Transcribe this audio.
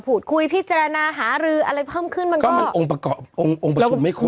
พิจารณาหารืออะไรเพิ่มขึ้นมันก็มันองค์ประกอบองค์องค์ประชุมไม่ควร